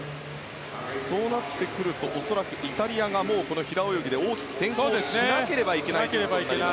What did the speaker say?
そうなってくると恐らくイタリアがもう、平泳ぎで大きく先行しなければいけないと。